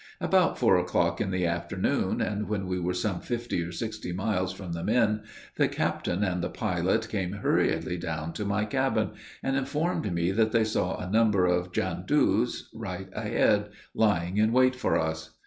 About four o'clock in the afternoon, and when we were some fifty or sixty miles from the Min, the captain and the pilot came hurriedly down to my cabin, and informed me that they saw a number of Jan dous, right ahead, lying in wait for us.